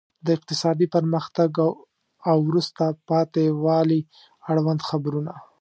د اقتصادي پرمختګ او وروسته پاتې والي اړوند خبرونه.